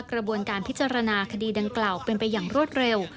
กระบวนการพิจารณาคดีดังกล่าวเป็นไปอย่างรวดเร็ว